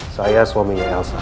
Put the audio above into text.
saya suaminya elsa